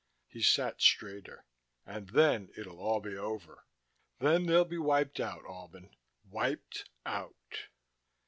He sat straighter. "And then it'll all be over. Then they'll be wiped out, Albin. Wiped out."